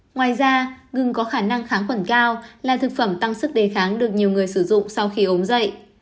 ngoài ra gừng có khả năng kháng khuẩn cao là thực phẩm tăng sức đề kháng được nhiều người sử dụng sau khi uống dậy